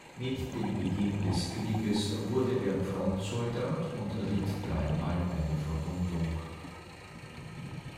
Mit dem Beginn des Krieges wurde er Frontsoldat und erlitt dreimal eine Verwundung.